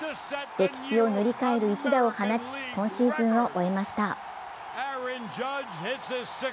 歴史を塗り替える一打を放ち今シーズンを終えました。